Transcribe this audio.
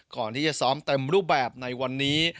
ก่อนที่จะซ้อมเต็มรูปแบบในวันนี้